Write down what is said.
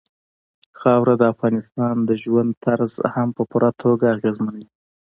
خاوره د افغانانو د ژوند طرز هم په پوره توګه اغېزمنوي.